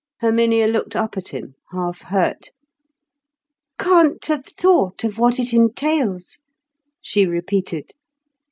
Herminia looked up at him, half hurt. "Can't have thought of what it entails!" she repeated.